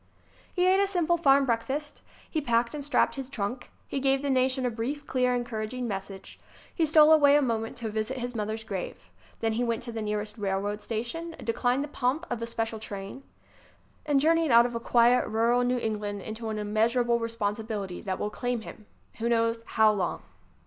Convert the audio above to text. He ate a simple farm breakfast. He packed and strapped his trunk. He gave the nation a brief, clear, encouraging message. He stole away a moment to visit his mother's grave. Then he went to the near est railroad station, declined the pomp of a special [ io ] W HAVE FAITH IN COOLIDGE! m m . g$ train, and journeyed out of quiet, rural New England into an immeasurable responsibility that will claim him ŌĆö who knows how long?